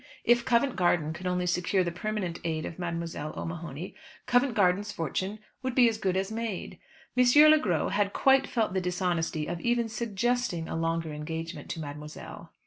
If Covent Garden could only secure the permanent aid of Mademoiselle O'Mahony, Covent Garden's fortune would be as good as made. M. Le Gros had quite felt the dishonesty of even suggesting a longer engagement to mademoiselle.